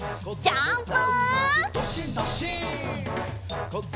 ジャンプ！